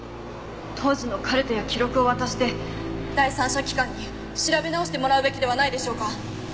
当時のカルテや記録を渡して第三者機関に調べ直してもらうべきではないでしょうか？